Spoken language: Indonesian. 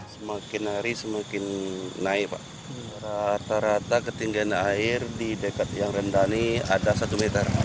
semakin hari semakin naik pak rata rata ketinggian air di dekat yang rendah ini ada satu meter